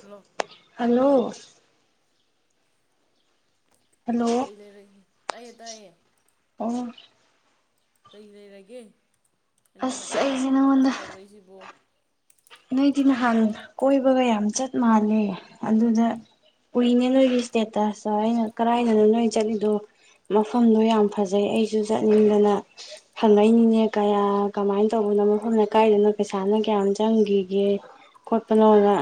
hello hello hello ꯀꯩ ꯂꯩꯔꯦ ꯇꯥꯏꯌꯦ ꯇꯥꯏꯌꯦ ꯑꯣ ꯀꯔꯤ ꯂꯩꯔꯒꯦ ꯅꯪꯅ ꯑꯁ ꯑꯩꯁꯤꯅ ꯅꯉꫭꯟꯗ ꯐꯣꯟ ꯇꯧꯔꯛꯏꯁꯤꯕꯣ ꯅꯣꯏꯗꯤ ꯅꯍꯥꯟ ꯀꯣꯏꯕꯒ ꯌꯥꯝ ꯆꯠ ꯃꯥꯜꯂꯦ ꯑꯗꯨꯗ ꯀꯨꯏꯅꯦ ꯅꯣꯏꯒꯤ ꯏꯁꯇꯦꯇꯁꯇꯣ ꯑꯩꯅ ꯀꯔꯥꯏꯗꯅꯣ ꯅꯣꯏ ꯆꯠꯂꯤꯗꯣ ꯃꯐꯝꯗꯣ ꯌꯥꯝ ꯐꯖꯩ ꯑꯩꯁꯨ ꯆꯠꯅꯤꯡꯗꯅ ꯐꯪꯉꯛꯏꯅꯤꯅꯦ ꯀꯌꯥ ꯀꯃꯥꯏꯅ ꯇꯧꯕꯅꯣ ꯃꯐꯝꯗ ꯀꯥꯏꯗꯅ ꯄꯩꯁꯥꯅ ꯀꯌꯥꯝ ꯆꯠ ꯆꯪꯈꯤꯒꯦ ꯈꯣꯠꯄꯅꯅ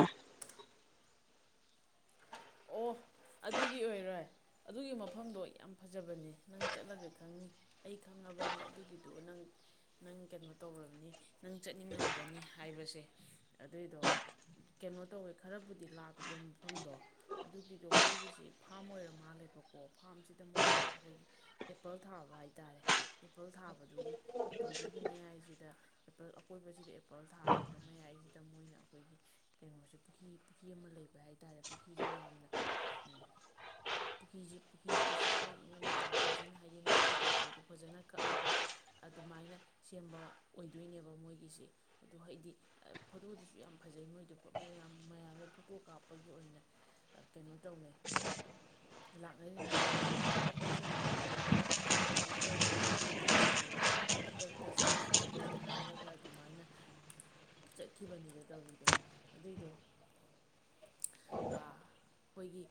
ꯑꯣ ꯑꯗꯨꯒꯤ ꯑꯣꯏꯔꯣꯏ ꯑꯗꯨꯒꯤ ꯃꯐꯝꯗꯣ ꯌꯥꯝ ꯐꯖꯕꯅꯦ ꯅꯪ ꯆꯠꯂꯒ ꯈꯪꯅꯤ ꯑꯩ ꯈꯪꯉꯕꯅꯤ ꯑꯗꯨꯒꯤꯗꯨ ꯅꯪ ꯅꯪ ꯀꯩꯅꯣ ꯇꯧꯔꯕꯅꯤ ꯅꯪ ꯆꯠꯅꯤꯡꯉꯝꯒꯅꯤ ꯍꯥꯏꯕꯁꯦ ꯑꯗꯨꯏꯗꯣ ꯀꯩꯅꯣ ꯇꯧꯋꯦ ꯈꯔꯕꯨꯗꯤ ꯂꯥꯞꯄꯤꯕ ꯃꯐꯝꯗꯣ ꯑꯗꯨꯒꯤꯗꯣ ꯃꯣꯏꯒꯤꯁꯤ ꯐꯥꯝ ꯑꯣꯏꯔ ꯃꯥꯜꯂꯦꯕꯀꯣ ꯐꯥꯔꯝꯁꯤꯗ ꯃꯣꯏꯅꯅꯦ ꯑꯩꯈꯣꯏꯒꯤ ꯑꯦꯄꯜ ꯊꯥꯕ ꯍꯥꯏꯇꯥꯔꯦ ꯑꯦꯄꯜ ꯊꯥꯕꯗꯨꯒꯤ ꯑꯦꯄꯜꯗꯨꯒꯤ ꯃꯌꯥꯏꯁꯤꯗ ꯑꯦꯄꯜ ꯑꯀꯣꯏꯕꯁꯤꯗ ꯑꯦꯄꯜ ꯊꯥꯔꯒ ꯃꯌꯥꯏꯁꯤꯗ ꯃꯣꯏꯅ ꯑꯩꯈꯣꯏꯒꯤ ꯀꯩꯅꯣꯁꯦ ꯄꯨ꯭ ꯄꯨꯈꯤꯔꯤ ꯑꯃ ꯂꯩꯕ ꯍꯥꯏꯇꯥꯔꯦ ꯄꯨꯈ꯭ꯔꯤꯁꯨ ꯌꯥꯝ ꯌꯥꯝ ꯄꯨꯈ꯭ꯔꯤꯁꯤ ꯄꯨꯈ꯭ꯔꯤꯁꯤꯗꯁꯨ ꯑꯩꯈꯣꯏꯒꯤ ꯃꯣꯏꯅ ꯌꯥꯝ ꯐꯖꯅ ꯍꯥꯏꯗꯤ ꯅꯥꯄꯤ ꯀꯩꯀꯩꯗꯣ ꯐꯖꯅ ꯀꯛꯑꯒ ꯑꯗꯨꯃꯥꯏꯅ ꯁꯦꯝꯕ ꯑꯣꯏꯗꯣꯏꯅꯦꯕ ꯃꯣꯏꯒꯤꯁꯦ ꯑꯗꯨꯣ ꯍꯥꯏꯗꯤ ꯐꯣꯇꯣꯗꯨꯁꯨ ꯌꯥꯝ ꯐꯖꯩ ꯃꯣꯏꯗꯣ ꯃꯌꯥꯝꯅ ꯐꯣꯇꯣ ꯀꯥꯞꯄꯒꯤ ꯑꯣꯏꯅ ꯀꯩꯅꯣ ꯇꯧꯅꯩ ꯂꯥꯛꯅꯔꯤꯅꯤ ꯇꯧꯔꯤꯗꯣ ꯑꯗꯣ ꯑꯩꯈꯣꯏꯁꯨ ꯍꯥꯟꯅ ꯀꯩꯝꯇ ꯀꯩꯅꯣ ꯇꯧꯕ ꯅꯠꯇꯦꯗ ꯇꯧꯔꯤꯗꯣ ꯑꯗꯨꯝ ꯈꯨꯗꯛꯇ ꯆꯠꯂꯁꯤ ꯆꯠꯂꯁꯤ ꯍꯥꯏꯔꯒ ꯑꯗꯨꯃꯥꯏꯅ ꯆꯠꯈꯤꯕꯅꯤꯗ ꯇꯧꯔꯤꯗꯣ ꯑꯗꯨꯏꯗꯣ ꯑꯩꯈꯣꯏꯒꯤ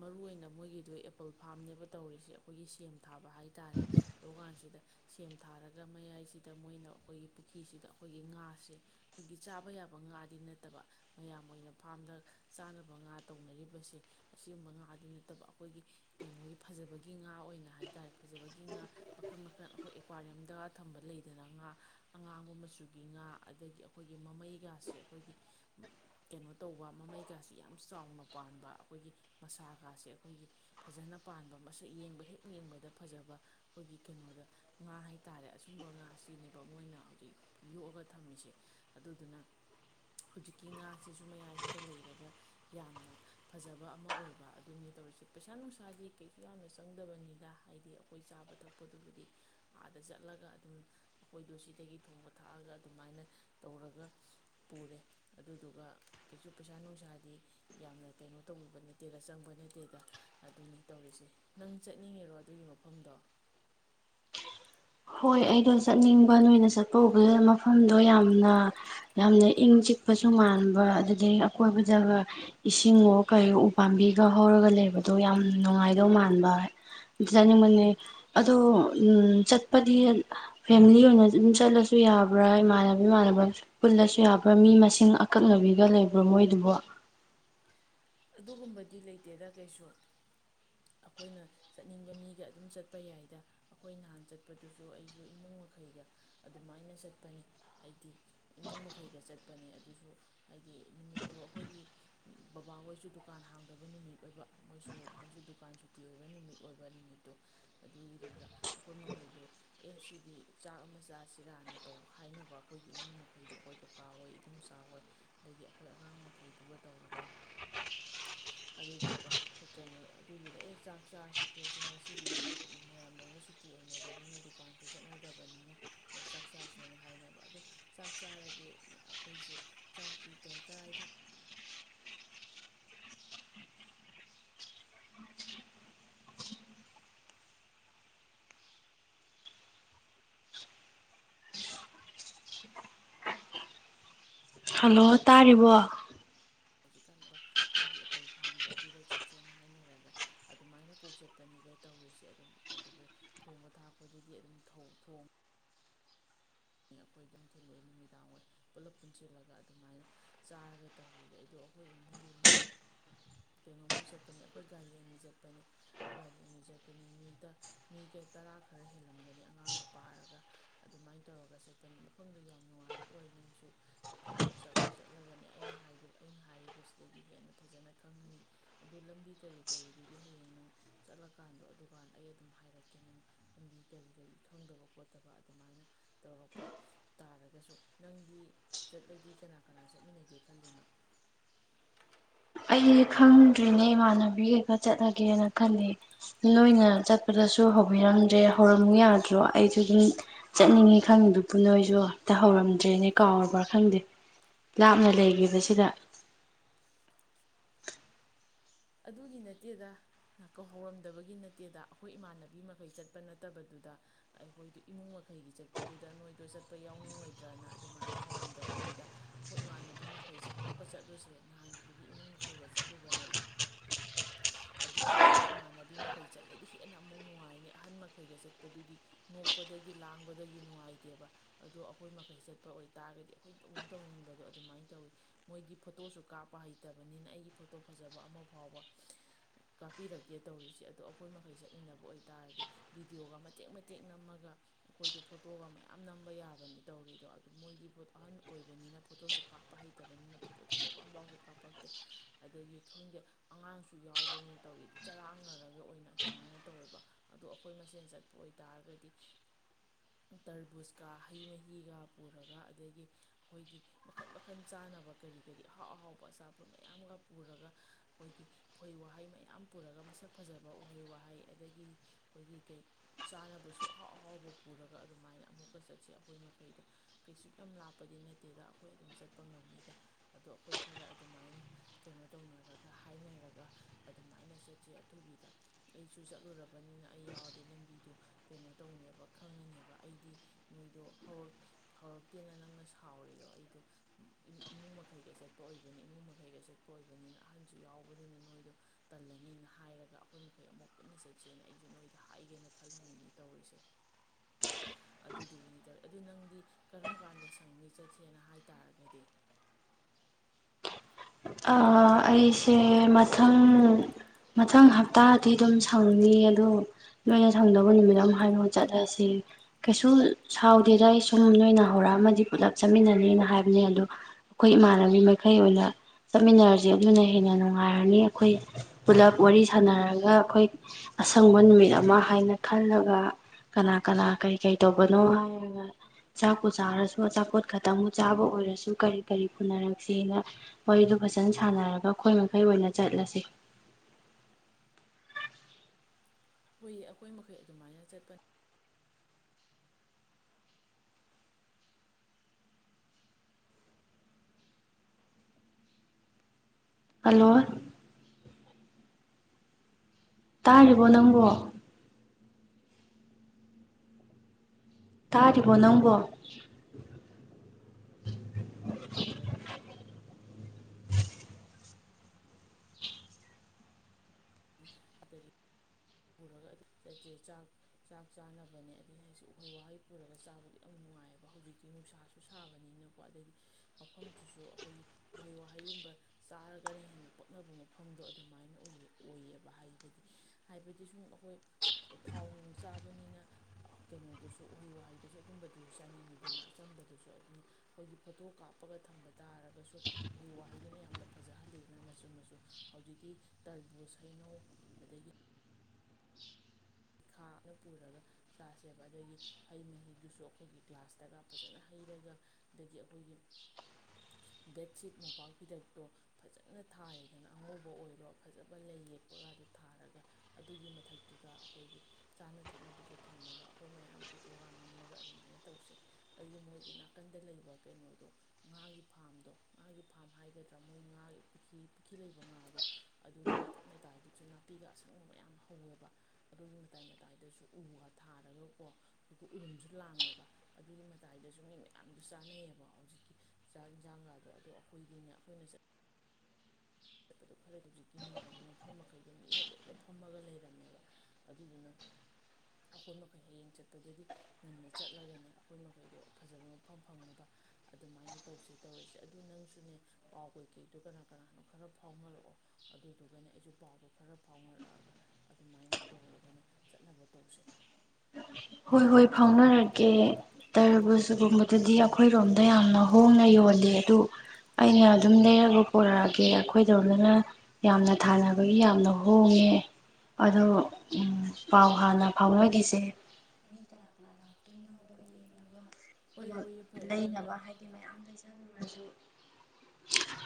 ꯃꯔꯨ ꯑꯣꯏꯅ ꯃꯣꯏꯒꯤꯗ ꯑꯦꯄꯜ ꯐꯥꯝꯅꯦꯕ ꯇꯧꯔꯤꯁꯦ ꯑꯩꯈꯣꯏꯒꯤ ꯁꯦꯝ ꯊꯥꯕ ꯍꯥꯏ ꯇꯥꯔꯦ ꯣꯀꯥꯟꯁꯤꯗ ꯁꯦꯝ ꯊꯥꯔꯒ ꯃꯌꯥꯏꯁꯤꯗ ꯃꯣꯏꯅ ꯑꯩꯈꯣꯏꯒꯤ ꯄꯨꯈ꯭ꯔꯤꯁꯤꯗ ꯑꯩꯈꯣꯏꯒꯤ ꯉꯥꯁꯦ ꯑꯩꯈꯣꯏꯒꯤ ꯆꯥꯕ ꯌꯥꯕ ꯉꯥꯗꯤ ꯅꯠꯇꯕ ꯃꯌꯥꯝ ꯑꯣꯏꯅ ꯐꯥꯝꯗ ꯆꯥꯅꯕ ꯉꯥ ꯇꯧꯅꯔꯤꯕꯁꯦ ꯑꯁꯤꯒꯨꯝꯕ ꯉꯥꯗꯤ ꯅꯠꯇꯕ ꯑꯩꯈꯣꯏꯒꯤ ꯀꯩꯅꯣꯒꯤ ꯐꯖꯕꯒꯤ ꯉꯥ ꯑꯣꯏꯅ ꯍꯥꯏꯇꯥꯔꯦ ꯐꯖꯕꯒꯤ ꯉꯥ ꯃꯈꯜ ꯃꯈꯜ ꯑꯩꯈꯣꯏ ꯑꯦꯀ꯭ꯋꯥꯔꯤꯌꯝꯗ ꯊꯝꯕ ꯂꯩꯗꯅ ꯉꯥ ꯑꯉꯥꯡꯕ ꯃꯆꯨꯒꯤ ꯉꯥ ꯑꯗꯒꯤ ꯑꯩꯈꯣꯏꯒꯤ ꯃꯃꯩꯒꯁꯤꯦ ꯑꯩꯈꯣꯏꯒꯤ ꯀꯩꯅꯣ ꯇꯧꯕ ꯃꯃꯩꯒꯁꯤ ꯌꯥꯝ ꯆꯥꯎꯅ ꯄꯥꯟꯕ ꯑꯩꯈꯣꯏꯒꯤ ꯃꯁꯥꯒꯥꯁꯦ ꯑꯩꯈꯣꯏꯒꯤ ꯐꯖꯅ ꯄꯥꯟꯕ ꯃꯁꯛ ꯌꯦꯡꯕꯗ ꯍꯦꯛ ꯌꯦꯡꯕꯗ ꯐꯖꯕ ꯑꯩꯈꯣꯏꯒꯤ ꯀꯩꯅꯣꯗ ꯉꯥ ꯍꯥꯏꯇꯥꯔꯦ ꯑꯁꯨꯝꯕ ꯉꯥꯁꯤꯅꯦꯕ ꯃꯣꯏꯅ ꯍꯧꯖꯤꯛ ꯌꯣꯛꯑꯒ ꯊꯝꯃꯤꯁꯦ ꯑꯗꯨꯗꯨꯅ ꯍꯧꯖꯤꯛꯀꯤ ꯉꯥꯁꯤꯁꯨ ꯃꯌꯥꯏꯁꯤꯗ ꯂꯩꯔꯒ ꯌꯥꯝꯅ ꯐꯖꯕ ꯑꯃ ꯑꯣꯏꯕ ꯑꯗꯨꯅꯤ ꯇꯧꯔꯤꯁꯦ ꯄꯩꯁꯥ ꯅꯨꯡꯁꯥꯗꯤ ꯀꯩꯁꯨ ꯌꯥꯝꯅ ꯆꯪꯗꯕꯅꯤꯗ ꯍꯥꯏꯗꯤ ꯑꯩꯈꯣꯏ ꯆꯥꯕ ꯊꯛꯄꯗꯨꯕꯨꯗꯤ ꯑꯥꯗ ꯆꯠꯂꯒ ꯑꯗꯨꯝ ꯑꯩꯈꯣꯏꯗꯣ ꯁꯤꯗꯒꯤ ꯊꯣꯡꯕ ꯊꯥꯛꯑꯒ ꯑꯗꯨꯃꯥꯏꯅ ꯇꯧꯔꯒ ꯄꯨꯔꯦ ꯑꯗꯨꯗꯨꯒ ꯀꯩꯁꯨ ꯄꯩꯁꯥ ꯅꯨꯡꯁꯥꯗꯤ ꯌꯥꯝꯅ ꯀꯩꯅꯣ ꯇꯧꯕꯤꯕ ꯅꯠꯇꯦꯗ ꯆꯪꯕ ꯅꯠꯇꯦꯗ ꯑꯗꯨꯅꯤ ꯇꯧꯔꯤꯁꯦ ꯅꯪ ꯆꯠꯅꯤꯡꯉꯤꯔꯣ ꯑꯗꯨꯒꯤ ꯃꯐꯝꯗꯣ ꯍꯣꯏ ꯑꯩꯗꯣ ꯆꯠꯅꯤꯡꯕ ꯅꯣꯏꯅ ꯆꯠꯄ ꯎꯕꯗꯗ ꯃꯐꯝꯗꯣ ꯌꯥꯝꯅ ꯌꯥꯝꯅ ꯏꯪ ꯆꯤꯛꯄꯁꯨ ꯃꯥꯟꯕ ꯑꯗꯨꯗꯒꯤ ꯑꯀꯣꯏꯕꯗꯖꯒ ꯏꯁꯤꯡꯉꯣ ꯀꯔꯤ ꯎ ꯄꯥꯝꯕꯤꯒ ꯍꯧꯔꯒ ꯂꯩꯕꯗꯣ ꯌꯥꯝ ꯅꯨꯡꯉꯥꯏꯗꯧ ꯃꯥꯟꯕ ꯑꯗꯨ ꯆꯠꯅꯤꯡꯕꯅꯦ ꯑꯗꯣ ꯆꯠꯄꯗꯤ ꯐꯦꯃꯤꯂꯤ ꯑꯣꯏꯅ ꯑꯗꯨꯝ ꯆꯠꯂꯁꯨ ꯌꯥꯕ꯭ꯔꯥ ꯏꯃꯥꯟꯅꯕ ꯏꯃꯥꯟꯅꯕ ꯄꯨꯜꯂꯁꯨ ꯌꯥꯕ꯭ꯔꯥ ꯃꯤ ꯃꯁꯤꯡ ꯑꯀꯛꯅꯕꯤꯒ ꯂꯩꯕ꯭ꯔꯥ ꯃꯣꯏꯗꯨꯕꯨ ꯑꯗꯨꯒꯨꯝꯕꯗꯤ ꯂꯩꯇꯦꯗ ꯀꯩꯁꯨ ꯑꯩꯈꯣꯏꯅ ꯆꯠꯅꯤꯡꯕ ꯃꯤꯒ ꯑꯗꯨꯝ ꯆꯠꯄ ꯌꯥꯏꯗ ꯑꯩꯈꯣꯏ ꯅꯍꯥꯟ ꯆꯠꯄꯗꯨꯁꯨ ꯑꯩꯁꯨ ꯏꯃꯨꯡ ꯃꯈꯩꯒ ꯑꯗꯨꯃꯥꯏꯅ ꯆꯠꯄꯅꯤ ꯍꯥꯏꯗꯤ ꯏꯃꯨꯡ ꯃꯈꯩꯒ ꯆꯠꯄꯅꯦ ꯑꯗꯨꯁꯨ ꯍꯥꯏꯗꯤ ꯅꯨꯃꯤꯠꯇꯣ ꯑꯩꯈꯣꯏꯒꯤ ꯕꯕꯥꯍꯣꯏ ꯃꯣꯏꯁꯨ ꯗꯨꯀꯥꯟ ꯍꯥꯡꯗꯕ ꯅꯨꯃꯤꯠ ꯑꯣꯏꯕ ꯃꯣꯏꯁꯨ ꯃꯣꯏꯁꯨ ꯗꯨꯀꯥꯟ ꯁꯨꯇꯤ ꯑꯣꯏꯕ ꯅꯨꯃꯤꯠ ꯑꯣꯏꯕ ꯅꯨꯃꯤꯠꯇꯣ ꯑꯗꯨꯒꯤꯗꯨꯗ ꯑꯩꯈꯣꯏ ꯃꯈꯩꯗꯣ ꯑꯦ ꯁꯤꯗꯤ ꯆꯥꯛ ꯑꯃ ꯆꯥꯁꯤꯔꯥꯅ ꯇꯧ ꯍꯥꯏꯅꯕ ꯑꯩꯈꯣꯏꯒꯤ ꯏꯃꯨꯡ ꯃꯈꯩꯗꯣ ꯑꯩꯈꯣꯏ ꯀꯀꯥꯋꯣꯏ ꯑꯗꯨꯝ ꯆꯥꯎꯋꯏ ꯑꯗꯒꯤ ꯑꯩꯈꯣꯏ ꯑꯉꯥꯡ ꯃꯈꯩꯗꯨꯒ ꯇꯧꯔꯒ ꯑꯗꯨꯗꯨꯗ ꯀꯩꯅꯣ ꯑꯗꯨꯗꯨꯗ ꯑꯦ ꯆꯥꯛ ꯆꯥꯁꯤ ꯄꯣꯠꯁꯤ ꯉꯁꯤꯗꯤ ꯃꯌꯥꯝ ꯂꯣꯏꯅ ꯁꯨꯇꯤ ꯑꯣꯏꯅꯕꯅꯤꯅ ꯗꯨꯀꯥꯟꯁꯨ ꯆꯠꯅꯗꯕꯅꯤꯅ ꯑꯦ ꯆꯥꯛ ꯆꯥꯥꯁꯦꯅ ꯍꯥꯏꯅꯕ ꯑꯗꯨ ꯆꯥꯛ ꯆꯥꯔꯗꯤ ꯑꯩꯈꯣꯏꯁꯦ ꯆꯥꯛꯁꯤ ꯀꯗꯥꯏꯗ ꯍꯜꯂꯣ ꯇꯥꯔꯤꯕꯣ ꯍꯧꯖꯤꯛꯀꯥꯟ ꯑꯩꯈꯣꯏꯒꯤ ꯑꯦꯄꯜ ꯐꯥꯔꯝꯗꯣ ꯑꯗꯨꯗ ꯆꯠꯁꯦꯅ ꯍꯥꯏꯅꯔꯒ ꯑꯗꯨꯃꯥꯏꯅ ꯀꯣꯛ ꯆꯠꯄꯅꯤꯗ ꯇꯧꯔꯤꯁꯦ ꯑꯗꯨꯝ ꯑꯗꯨꯒ ꯊꯣꯡꯕ ꯊꯥꯛꯄꯗꯨꯗꯤ ꯑꯗꯨꯝ ꯊꯣꯡ ꯉ ꯑꯩꯈꯣꯏ ꯅꯨꯡꯊꯤꯜ ꯑꯣꯏ ꯅꯨꯃꯤꯗꯥꯡ ꯑꯣꯏ ꯄꯨꯂꯞ ꯄꯨꯟꯁꯤꯜꯂꯒ ꯑꯗꯨꯃꯥꯏꯅ ꯆꯥꯔꯒ ꯇꯧꯔꯔꯦ ꯑꯗꯣ ꯑꯩꯈꯣꯏ ꯏꯃꯨꯡꯒꯤ ꯃꯤ ꯀꯩꯅꯣꯃꯨꯛ ꯆꯠꯄꯅꯤ ꯑꯩꯈꯣꯏ ꯒꯥꯔꯤ ꯑꯅꯤ ꯆꯠꯄꯅꯦ ꯒꯥꯔꯤ ꯑꯅꯤ ꯆꯠꯄꯅꯤ ꯃꯤꯗ ꯃꯤꯒ ꯇꯔꯥ ꯈꯔ ꯍꯦꯜꯂꯝꯒꯅꯤ ꯑꯉꯥꯡꯒ ꯄꯥꯔꯒ ꯑꯗꯨꯃꯥꯏꯅ ꯇꯧꯔꯒ ꯆꯠꯄꯅꯤ ꯃꯐꯝꯗꯨ ꯌꯥꯝ ꯅꯨꯡꯉꯥꯏꯕ ꯑꯣꯏ ꯅꯪꯁꯨ ꯑꯗꯨꯝ ꯆꯠꯂꯨ ꯆꯠꯂꯒꯅꯦ ꯑꯩꯅ ꯑꯩꯅ ꯍꯥꯏꯔꯤꯕꯁꯤꯗꯒꯤ ꯍꯦꯟꯅ ꯐꯖꯅ ꯈꯪꯉꯅꯤ ꯑꯗꯨ ꯂꯝꯕꯤ ꯀꯔꯤ ꯀꯔꯤꯗꯨꯗꯤ ꯍꯌꯦꯡ ꯅꯪ ꯆꯠꯂꯀꯥꯟꯗꯣ ꯑꯗꯨꯀꯥꯟꯗ ꯑꯩ ꯑꯗꯨꯝ ꯍꯥꯏꯔꯛꯀꯦ ꯅꯪ ꯂꯝꯕꯤ ꯀꯔꯤ ꯀꯔꯤ ꯈꯪꯗꯕ ꯈꯣꯠꯇꯕ ꯑꯗꯨꯃꯥꯏꯅ ꯇꯧꯔꯛꯄ ꯇꯥꯔꯒꯁꯨ ꯅꯪꯗꯤ ꯆꯠꯂꯗꯤ ꯀꯅꯥ ꯀꯅꯥ ꯆꯠꯃꯤꯟꯅꯒꯦ ꯈꯜꯂꯤꯅꯣ ꯑꯩ ꯈꯪꯗ꯭ꯔꯤꯅꯦ ꯏꯃꯥꯟꯅꯕꯤ ꯀꯩꯀꯥ ꯆꯠꯂꯒꯦꯅ ꯈꯜꯂꯤꯦ ꯅꯣꯏꯅ ꯆꯠꯄꯗꯁꯨ ꯍꯧꯕꯤꯔꯝꯗ꯭ꯔꯦ ꯍꯧꯔꯝꯃꯨ ꯌꯥꯗ꯭ꯔꯣ ꯑꯩꯁꯨ ꯑꯗꯨꯝ ꯆꯠꯅꯤꯡꯉꯤ ꯈꯪꯉꯤꯗꯨꯕꯨ ꯅꯣꯏꯁꯨ ꯍꯝꯛꯇ ꯍꯧꯔꯝꯗ꯭ꯔꯦꯅꯦ ꯀꯥꯎꯔꯕ꯭ꯔꯥ ꯈꯪꯗꯦ ꯂꯥꯞꯅ ꯂꯩꯈꯤꯕꯁꯤꯗ ꯑꯗꯨꯒꯤ ꯅꯠꯇꯦꯗ ꯍꯧꯔꯝꯗꯕꯒꯤ ꯅꯠꯇꯦꯗ ꯑꯩꯈꯣꯏ ꯏꯃꯥꯟꯅꯕꯤ ꯃꯈꯩ ꯆꯠꯄ ꯅꯠꯇꯕꯗꯨꯗ ꯑꯩꯈꯣꯏꯗ ꯏꯃꯨꯡ ꯃꯈꯩꯒꯤ ꯆꯠꯄꯗꯨꯗ ꯅꯣꯏꯗꯣ ꯆꯠꯄ ꯌꯥꯎꯅꯤꯡꯉꯣꯏꯗ꯭ꯔꯅ ꯑꯗꯨꯃꯥꯏꯅ ꯍꯧꯔꯝꯗꯕꯅꯤꯗ ꯑꯩꯈꯣꯏ ꯏꯃꯥꯟꯅꯕꯤ ꯃꯈꯩ ꯑꯃꯨꯛꯀ ꯆꯠꯂꯨꯁꯦ ꯅꯍꯥꯟꯗꯨꯗꯤ ꯏꯃꯨꯡ ꯃꯈꯩꯒ ꯆꯠꯂꯨꯕꯅꯦꯕ ꯑꯗꯨꯗꯨꯅ ꯑꯩꯈꯣꯏ ꯏꯃꯥꯟꯅꯕꯤ ꯃꯈꯩ ꯆꯠꯂꯗꯤ ꯍꯦꯟꯅ ꯑꯃꯨꯛ ꯅꯨꯡꯉꯥꯏꯅꯤ ꯑꯍꯟ ꯃꯈꯩꯒ ꯆꯠꯄꯗꯨꯗꯤ ꯅꯣꯛꯄꯗꯒꯤ ꯂꯥꯡꯕꯗꯒꯤ ꯅꯨꯡꯉꯥꯏꯇꯦꯕ ꯑꯗꯣ ꯑꯩꯈꯣꯏ ꯃꯈꯩ ꯆꯠꯄ ꯑꯣꯏꯇꯥꯥꯔꯒꯗꯤ ꯑꯩꯈꯣꯏ ꯇꯧꯅꯤꯡ ꯇꯧꯅꯤꯡꯕꯗꯣ ꯑꯗꯨꯃꯥꯏꯅ ꯇꯧꯋꯤ ꯃꯣꯏꯒꯤ ꯐꯣꯇꯣꯁꯨ ꯀꯥꯞꯄ ꯍꯩꯇꯕꯅꯤꯅ ꯑꯩꯒꯤ ꯐꯣꯇꯣ ꯐꯖꯕ ꯑꯃ ꯐꯥꯎꯕ ꯀꯥꯞꯄꯤꯔꯛꯇꯦ ꯇꯧꯔꯤꯁꯦ ꯑꯗꯣ ꯑꯩꯈꯣꯏ ꯃꯈꯩ ꯆꯠꯃꯤꯟꯅꯕ ꯑꯣꯏꯇꯥꯔꯗꯤ ꯚꯤꯗꯤꯑꯣꯒ ꯃꯇꯦꯛ ꯃꯇꯦꯛ ꯅꯝꯃꯒ ꯑꯩꯈꯣꯏꯗꯣ ꯐꯣꯇꯣꯒ ꯃꯌꯥꯝ ꯅꯝꯕ ꯌꯥꯕꯅꯤ ꯇꯧꯔꯤꯗꯣ ꯑꯗꯨ ꯃꯣꯏꯒꯤ ꯐꯣꯣ ꯑꯍꯟ ꯑꯣꯏꯕꯅꯤꯅ ꯐꯣꯇꯣꯁꯨ ꯀꯥꯞꯄ ꯍꯩꯇꯕꯅꯤꯅ ꯐꯣꯇꯣ ꯐꯖꯕ ꯑꯃꯐꯥꯎꯁꯨ ꯀꯥꯞꯄꯛꯇꯦ ꯑꯗꯒꯤ ꯈꯪꯗꯦ ꯑꯉꯥꯡꯁꯨ ꯌꯥꯎꯕꯅꯤꯅ ꯇꯧꯔꯤꯗ ꯆꯔꯥꯡꯅꯔꯒ ꯑꯣꯏꯅ ꯑꯗꯨꯃꯥꯏꯅ ꯇꯧꯋꯦꯕ ꯑꯗꯣ ꯑꯩꯈꯣꯏ ꯃꯁꯦꯟ ꯆꯠꯄ ꯑꯣꯏꯇꯥꯔꯒꯗꯤ ꯇꯔꯕꯨꯖꯀ ꯍꯩ ꯃꯍꯤꯒ ꯄꯨꯔꯒ ꯑꯗꯒꯤ ꯑꯩꯈꯣꯏꯒꯤ ꯃꯈꯟ ꯃꯈꯜ ꯆꯥꯅꯕ ꯀꯔꯤ ꯀꯔꯤ ꯑꯍꯥꯎ ꯑꯍꯥꯎꯕ ꯑꯆꯥꯄꯣꯠ ꯃꯌꯥꯝꯒ ꯄꯨꯔꯒ ꯑꯩꯈꯣꯏꯒꯤ ꯎꯍꯩ ꯋꯥꯍꯩ ꯃꯌꯥꯝ ꯄꯨꯔꯒ ꯃꯁꯛ ꯐꯖꯕ ꯎꯍꯩ ꯋꯥꯍꯩ ꯑꯗꯒꯤ ꯑꯩꯈꯣꯏꯒꯤ ꯀꯩ ꯆꯥꯅꯕꯁꯨ ꯑꯍꯥꯎ ꯑꯍꯥꯎꯕ ꯄꯨꯔꯒ ꯑꯗꯨꯃꯥꯏꯅ ꯑꯃꯨꯛꯀ ꯆꯠꯁꯤ ꯑꯩꯈꯣꯏ ꯃꯈꯩꯗꯣ ꯀꯩꯁꯨ ꯌꯥꯝ ꯂꯥꯞꯄꯗꯤ ꯅꯠꯇꯦꯗ ꯑꯩꯈꯣꯏ ꯑꯗꯨꯝ ꯆꯠꯄ ꯉꯝꯅꯤꯗ ꯑꯗꯣ ꯑꯩꯈꯣꯏ ꯈꯔ ꯑꯗꯨꯃꯥꯏꯅ ꯀꯩꯅꯣ ꯇꯧꯅꯔꯒ ꯒ ꯍꯥꯏꯅꯔꯒ ꯑꯗꯨꯃꯥꯏꯅ ꯆꯠꯁꯦ ꯑꯊꯨꯕꯤꯗ ꯑꯩꯁꯨ ꯆꯠꯂꯨꯔꯕꯅꯤꯅ ꯑꯩ ꯌꯥꯎꯔꯗꯤ ꯂꯝꯕꯤꯗ ꯀꯩꯅꯣ ꯇꯧꯅꯦꯕ ꯈꯪꯉꯅꯦꯕ ꯑꯩꯗꯤ ꯅꯣꯏꯗꯣ ꯍꯧꯛ ꯍꯧꯔꯛꯇꯦꯅ ꯅꯪꯅ ꯁꯥꯎꯔꯤꯗꯣ ꯑꯩꯗꯣ ꯏꯃꯨꯡ ꯃꯈꯩꯒ ꯆꯠꯄ ꯑꯣꯏꯕꯅꯤ ꯏꯃꯨꯡ ꯃꯈꯩꯒ ꯆꯠꯄ ꯑꯣꯏꯕꯅꯤꯅ ꯑꯍꯟꯁꯨ ꯌꯥꯎꯕꯅꯤꯅ ꯅꯣꯏꯗꯣ ꯇꯜꯂꯅꯤꯅ ꯍꯥꯏꯔꯒ ꯑꯩꯈꯣꯏ ꯃꯈꯩ ꯑꯃꯨꯛ ꯄꯨꯟꯅ ꯆꯠꯁꯦꯅ ꯑꯩꯁꯨ ꯅꯣꯏꯗ ꯍꯥꯏꯒꯦꯅ ꯈꯜꯂꯝꯃꯤꯅꯦ ꯇꯧꯔꯤꯁꯦ ꯑꯗꯨꯗꯨꯒꯤꯅꯤ ꯇꯧꯋꯦ ꯑꯗꯨ ꯅꯪꯗꯤ ꯀꯔꯝ ꯀꯥꯟꯗ ꯁꯪꯅꯤ ꯆꯠꯁꯦꯅ ꯍꯥꯏ ꯇꯔꯒꯗꯤ ꯑꯩꯁꯦ ꯃꯊꯪ ꯃꯊꯪ ꯍꯞꯇꯥꯗꯤ ꯑꯗꯨꯝ ꯁꯪꯉ ꯑꯗ ꯅꯣꯏꯅ ꯁꯪꯗꯧꯕ ꯅꯨꯃꯤꯠ ꯑꯃ ꯍꯥꯏꯕ ꯆꯠꯂꯁꯤ ꯀꯩꯁꯨ ꯁꯥꯎꯗꯦꯗ ꯑꯩ ꯁꯨꯝ ꯅꯣꯏꯅ ꯍꯧꯔꯛꯑꯃꯗꯤ ꯄꯨꯂꯞ ꯆꯠꯃꯤꯟꯅꯅꯤꯅ ꯍꯥꯏꯕꯅꯦ ꯑꯗꯣ ꯑꯩꯈꯣꯏ ꯏꯃꯥꯟꯅꯕꯤ ꯃꯈꯩ ꯑꯣꯏꯅ ꯆꯠꯃꯤꯟꯅꯔꯁ ꯑꯗꯨꯅ ꯍꯦꯟꯅ ꯅꯨꯡꯉꯥꯏꯔꯅꯤ ꯑꯩꯈꯣꯏ ꯄꯨꯂꯞ ꯋꯥꯔꯤ ꯁꯥꯅꯔꯒ ꯑꯩꯈꯣꯏ ꯑꯁꯪꯕ ꯅꯨꯃꯤꯠ ꯑꯃ ꯍꯥꯏꯅ ꯈꯜꯂꯒ ꯀꯅꯥ ꯀꯅꯥ ꯀꯩ ꯀꯩ ꯇꯧꯕꯅꯣ ꯍꯥꯏꯔꯒ ꯆꯥꯛꯄꯨ ꯆꯥꯔꯁꯨ ꯑꯆꯥꯄꯣꯠ ꯈꯛꯇꯪꯕꯨ ꯆꯥꯕ ꯑꯣꯏꯔꯁꯨ ꯀꯔꯤ ꯀꯔꯤ ꯐꯅꯔꯛꯁꯦꯅ ꯋꯥꯔꯤꯗꯨ ꯐꯖꯅ ꯁꯥꯟꯅꯔꯒ ꯑꯩꯈꯣꯏ ꯃꯈꯩ ꯑꯣꯏꯅ ꯆꯠꯂꯁꯤ ꯑꯩꯈꯣꯏ ꯑꯩꯈꯣꯏ ꯃꯈꯩ ꯑꯗꯨꯃꯥꯏꯅ ꯆꯠꯄꯅꯤ ꯍꯜꯂꯣ ꯇꯥꯔꯤꯕꯣ ꯅꯪꯕꯣ ꯇꯥꯔꯤꯕꯣ ꯅꯪꯕꯣ ꯆꯦ ꯆꯥꯛ ꯆꯥꯛ ꯆꯥꯅꯕꯅꯦ ꯑꯩ ꯍꯥꯏꯁꯦ ꯎꯍꯩ ꯋꯥꯍꯩ ꯄꯨꯔꯒ ꯆꯥꯕꯗ ꯌꯥꯝ ꯅꯨꯡꯉꯥꯏꯌꯦꯕ ꯍꯧꯖꯤꯛꯇꯤ ꯅꯨꯡꯁꯥꯁꯨ ꯁꯥꯕꯅꯤꯅꯀꯣ ꯑꯗꯒꯤ ꯃꯐꯝꯗꯨꯁꯨ ꯑꯩꯈꯣꯏꯒꯤ ꯎꯍꯩ ꯋꯥꯍꯩꯒꯨꯝꯕ ꯆꯥꯔꯒꯅ ꯍꯦꯟꯅ ꯄꯛꯅꯕ ꯃꯐꯝꯗꯣ ꯑꯗꯨꯃꯥꯏꯅ ꯎꯏꯌꯦ ꯑꯣꯏꯌꯦꯕ ꯍꯥꯏꯕꯗꯤ ꯍꯥꯏꯕꯗꯤ ꯁꯨꯝ ꯑꯩꯈꯣꯏ ꯊꯥꯎ ꯅꯨꯡ ꯆꯥꯕꯅꯤꯅ ꯀꯩꯅꯣꯗꯨꯁꯨ ꯎꯍꯩ ꯋꯥꯍꯩꯗꯨꯁꯨ ꯑꯗꯨꯝꯕꯗꯨꯁꯨ ꯆꯥꯅꯤꯡꯉꯤꯗꯅ ꯑꯆꯝꯕꯗꯨꯁꯨ ꯑꯗꯨꯅ ꯑꯩꯈꯣꯏꯒꯤ ꯐꯣꯇꯣ ꯀꯥꯞꯄꯒ ꯊꯝꯕ ꯇꯥꯔꯒꯁꯨ ꯎꯍꯩ ꯋꯥꯍꯩꯗꯨꯅ ꯌꯥꯝꯅ ꯐꯖꯍꯜꯂꯤꯗꯅ ꯃꯆꯨꯝ ꯃꯆꯨ ꯍꯧꯖꯤꯛꯇꯤ ꯇꯕꯨꯣ ꯈꯩꯅꯧ ꯑꯗꯒꯤ ꯩꯈꯥꯅ ꯄꯨꯔꯒ ꯆꯥꯁꯦꯕ ꯑꯗꯒꯤ ꯍꯩ ꯃꯍꯤꯗꯨꯁꯨ ꯑꯩꯈꯣꯏꯒꯤ ꯒ꯭ꯂꯥꯁꯇꯒ ꯐꯖꯅ ꯍꯩꯔꯒ ꯑꯗꯒꯤ ꯑꯩꯈꯣꯏꯒꯤ ꯕꯦꯠꯁꯤꯠ ꯃꯣꯝꯄꯥꯛ ꯐꯤꯗꯛꯇꯣ ꯐꯖꯅ ꯊꯥꯔꯦꯗꯅ ꯑꯉꯧꯕ ꯑꯣꯏꯔꯣ ꯐꯖꯕ ꯂꯩ ꯌꯦꯛꯄꯒꯗꯣ ꯊꯥꯔꯒ ꯑꯗꯨꯒꯤ ꯃꯊꯛꯇꯨꯗ ꯑꯩꯈꯣꯏꯒꯤ ꯆꯥꯅ ꯊꯛꯅꯕꯁꯨ ꯊꯝꯃꯒ ꯑꯩꯈꯣꯏ ꯃꯌꯥꯝ ꯐꯣꯇꯣꯒ ꯅꯝꯃꯒ ꯑꯗꯨꯃꯥꯏꯅ ꯇꯧꯁꯦ ꯑꯗꯒꯤ ꯃꯣꯏꯒꯤ ꯅꯥꯀꯟꯗ ꯂꯩꯕ ꯀꯩꯅꯣꯗꯣ ꯉꯥꯒꯤ ꯐꯥꯔꯝꯗꯣ ꯉꯥꯒꯤ ꯐꯥꯝ ꯍꯥꯏꯒꯗ꯭ꯔꯥ ꯃꯣꯏ ꯉꯥꯒꯤ ꯄꯨ ꯄꯨꯈꯤ꯭ ꯂꯩꯕ ꯉꯥꯗꯣ ꯑꯗꯨꯒꯤ ꯃꯇꯥꯏ ꯃꯇꯥꯏꯗꯁꯨ ꯅꯥꯄꯤꯒ ꯑꯁꯪꯕ ꯃꯌꯥꯝ ꯍꯧꯋꯦꯕ ꯑꯗꯨꯒꯤ ꯃꯇꯥꯏ ꯃꯇꯥꯏꯗꯁꯨ ꯎꯒ ꯊꯥꯔꯒꯀꯣ ꯑꯩꯈꯣꯏ ꯎꯔꯨꯝꯁꯨ ꯂꯥꯡꯉꯦꯕ ꯑꯗꯨꯒꯤ ꯃꯇꯥꯏꯗꯁꯨ ꯃꯤ ꯃꯌꯥꯝꯗ ꯆꯥꯅꯩꯑꯕ ꯍꯧꯖꯤꯛꯀꯤ ꯆꯥꯛ ꯌꯦꯟꯁꯥꯡꯒꯗꯣ ꯑꯗꯣ ꯑꯩꯈꯣꯏꯗꯤꯅꯦ ꯑꯩꯈꯣꯏꯅ [inaudible] ꯈꯔ ꯑꯗꯨ ꯍꯧꯖꯤꯛꯀꯤ ꯅꯨꯡꯉꯥꯏꯕ ꯃꯐꯝ ꯃꯈꯩ ꯑꯗꯨ ꯃꯤꯅ ꯂꯣꯏꯅ ꯐꯝꯃꯒ ꯂꯩꯔꯝꯃꯦꯕ ꯑꯗꯨꯗꯨꯅ ꯑꯩꯈꯣꯏ ꯃꯈꯩ ꯍꯌꯦꯡ ꯆꯠꯄꯗꯗꯤ ꯉꯨꯟꯅ ꯆꯠꯂꯒꯅꯦ ꯑꯩꯈꯣꯏ ꯃꯈꯩꯗꯣ ꯐꯖꯕ ꯃꯐꯝ ꯐꯪꯅꯕ ꯑꯗꯨꯃꯥꯏꯅ ꯇꯧꯁꯦ ꯇꯧꯔꯛꯁꯦ ꯑꯗꯨ ꯅꯪꯁꯨꯅꯦ ꯄꯥꯎ ꯀꯩꯀꯩꯗꯣ ꯀꯅꯥ ꯀꯅꯥꯅꯣ ꯈꯔ ꯐꯥꯎꯅꯔꯛꯑꯣ ꯑꯗꯨꯗꯨꯒꯅ ꯑꯩꯁꯨ ꯄꯥꯎꯕ ꯈꯔ ꯐ ꯑꯗꯨꯃꯥꯏꯅ ꯇꯧꯔꯒꯅꯦ ꯆꯠꯅꯕ ꯇꯧꯁꯦ ꯍꯣꯏ ꯍꯣꯏ ꯐꯥꯎꯅꯔꯒꯦ ꯇꯔꯕ ꯁꯤꯒꯨꯝꯕꯗꯗꯤ ꯑꯩꯈꯣꯏꯔꯣꯝꯗ ꯌꯥꯝꯅ ꯍꯣꯡꯅ ꯌꯣꯜꯂꯤꯦ ꯑꯗꯨ ꯑꯩꯅ ꯑꯗꯨꯝ ꯂꯩꯒ ꯄꯔꯛꯑꯒꯦ ꯑꯩꯈꯣꯏꯗꯣꯝꯗꯅ ꯌꯥꯝꯅ ꯊꯥꯅꯕꯒꯤ ꯌꯥꯝꯅ ꯍꯣꯡꯉꯦ ꯑꯗꯣ ꯄꯥꯎ ꯍꯥꯟꯅ ꯐꯥꯎꯅꯈꯤꯁꯤ ꯑꯦ ꯍꯣꯏꯌꯦ ꯄꯨꯂꯞ ꯍꯣꯏꯌꯦ ꯐꯔꯦ ꯂꯩꯅꯕ ꯅꯪꯅ ꯍꯥꯏꯗꯤ ꯃꯌꯥꯝ ꯂꯩ ꯪꯁꯨ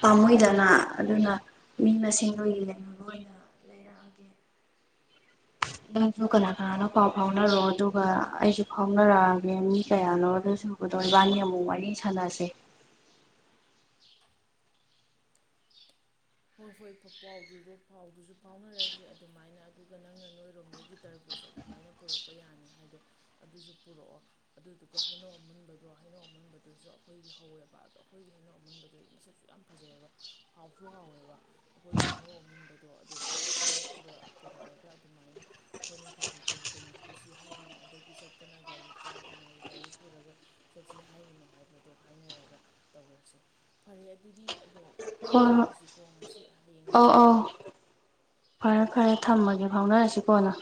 ꯄꯥꯝꯃꯣꯏꯗꯅ ꯑꯗꯨꯅ ꯃꯤ ꯃꯁꯤꯡ ꯃꯁꯤꯡꯗꯨꯣꯏ ꯌꯦ ꯂꯩꯕ ꯑꯣꯏꯅ ꯂꯩꯔꯛꯑꯒꯦ ꯅꯪꯁꯨ ꯀꯅꯥ ꯀꯅꯥꯅꯣ ꯄꯥꯎ ꯐꯥꯎꯅꯔꯣ ꯑꯗꯨꯒ ꯑꯩꯁꯨ ꯐꯥꯎꯅꯔꯛꯑꯒꯦ ꯃꯤ ꯀꯌꯥꯅꯣ ꯑꯗꯨꯁꯨꯗꯣ ꯏꯕꯥꯅꯤ ꯑꯃꯨꯛ ꯋꯥꯔꯤꯅꯤ ꯁꯥꯟꯅꯁꯦ ꯍꯣꯏ ꯍꯣꯏ ꯄꯥꯎꯗꯨꯗꯣ ꯄꯥꯎꯗꯨꯁꯨ ꯐꯥꯎꯅꯔꯁꯦ ꯑꯗꯨꯃꯥꯏꯅ ꯑꯗꯨꯒ ꯅꯪꯅ ꯅꯣꯏꯔꯣꯝꯗꯒꯤ ꯇꯔꯕꯨꯖ ꯑꯗꯨꯃꯥꯏꯅ ꯄꯨꯔꯛꯄ ꯊꯣꯛꯄ ꯌꯥꯅꯤ ꯍꯥꯏꯗꯣ ꯑꯗꯨꯁꯨ ꯄꯨꯔꯛꯑꯣ ꯑꯗꯨꯗꯨꯒ ꯍꯩꯅꯧ ꯑꯃꯨꯟꯕꯗꯣ ꯍꯩꯅꯧ ꯑꯃꯨꯟꯕꯗꯨꯁꯨ ꯑꯩꯈꯣꯏꯒꯤ ꯍꯧꯋꯦꯕ ꯑꯗꯣ ꯑꯩꯈꯣꯏꯒꯤ ꯍꯩꯅꯧ ꯑꯃꯨꯟꯕꯗꯨꯣ ꯑꯩ ꯃꯁꯛꯁꯨ ꯌꯥꯝ ꯐꯖꯩꯑꯕ ꯍꯥꯎꯁꯨ ꯍꯥꯎꯋꯦꯕ ꯑꯩꯈꯣꯏꯒꯤ ꯍꯩꯅꯧ ꯑꯃꯨꯟꯕꯗꯣ ꯑꯗꯨ ꯄꯨꯔꯛꯑꯒ ꯑꯗꯨꯃꯥꯏꯅ ꯑꯩꯈꯣꯏ ꯃꯈꯩꯗꯨ ꯀꯔꯤ ꯀꯔꯤ ꯄꯨꯁꯤ ꯍꯥꯏꯔꯤꯅꯣ ꯑꯗꯒꯤ ꯆꯠꯄꯅ ꯒꯥꯔꯤ ꯀꯅꯥ ꯀꯅꯥꯒꯤ ꯒꯥꯔꯤ ꯄꯨꯔꯒ ꯆꯠꯁꯤ ꯍꯥꯏꯔꯤꯅꯣ ꯍꯥꯏꯕꯗꯣ ꯍꯥꯏꯅꯔꯒ ꯇꯧꯔꯁꯦ ꯐꯔꯦ ꯑꯗꯨꯗꯤ ꯑꯗꯣ ꯐꯥꯎꯅꯔꯁꯤ ꯈꯣꯡ ꯑꯁꯤ ꯑ ꯑ ꯐꯔꯦ ꯐꯔꯦ ꯊꯝꯃꯒꯦ ꯐꯥꯎꯅꯔꯁꯤ ꯀꯣꯅ